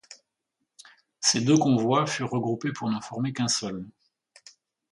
Ces deux convois furent regroupés pour n'en former qu'un seul.